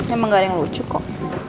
emang gak ada yang lucu kok